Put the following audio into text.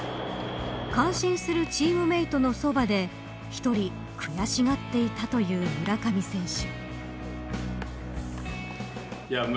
感心するチームメートのそばで１人悔しがっていたという村上選手。